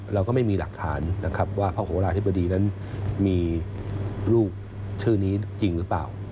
เราก็ไม่มีหลักฐานนะครับว่าพระโหลาธิบดีนั้นมีลูกชื่อนี้จริงหรือเปล่า